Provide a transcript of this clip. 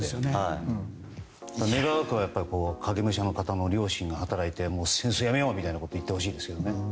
願わくば影武者の方の両親が働いて戦争をやめようみたいなことを言ってほしいですけどね。